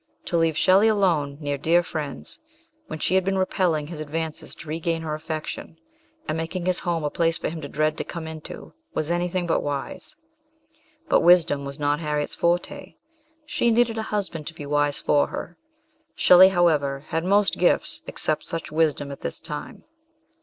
To leave Shelley alone, near dear friends, when she had been repelling his advances to regain her affection, and making his home a place for him to dread to come into, was anything but wise; but wisdom was not Harriet's forte she needed a husband to be wise for her. Shelley, however, had most gifts, except such wisdom at this time.